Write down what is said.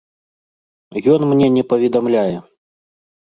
Ён мне не паведамляе.